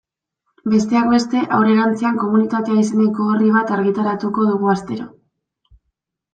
Besteak beste, aurrerantzean Komunitatea izeneko orri bat argitaratuko dugu astero.